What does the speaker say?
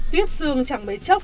tuyết xương chẳng mấy chốc